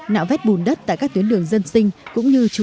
nạo vét bùn đất tại các tuyến đường dân sinh cũng như trù rửa nhà cửa